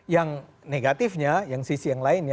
yang negatifnya yang sisi yang lainnya